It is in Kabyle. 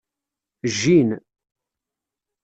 Jjin.